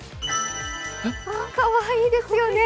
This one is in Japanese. かわいいですよね。